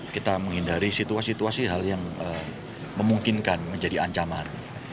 kita menghindari situasi situasi hal yang memungkinkan menjadi ancaman